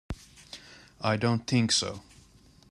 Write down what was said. I don't think so.